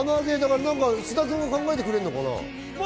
菅田君が考えてくれるのかな？